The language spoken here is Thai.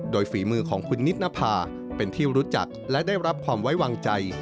โดยฝีมือของคุณนิดนภาเป็นที่รู้จักและได้รับความไว้วางใจ